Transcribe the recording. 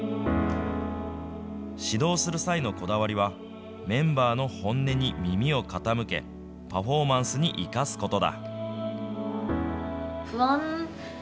指導する際のこだわりは、メンバーの本音に耳を傾け、パフォーマンスに生かすことだ。